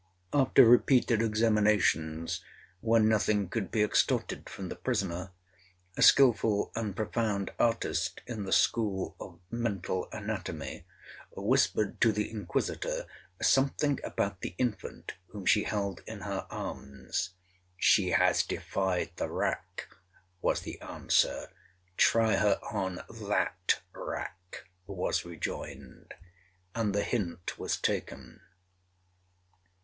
'After repeated examinations, when nothing could be extorted from the prisoner, a skilful and profound artist in the school of mental anatomy, whispered to the inquisitor something about the infant whom she held in her arms. 'She has defied the rack,' was the answer. 'Try her on that rack,' was rejoined, and the hint was taken.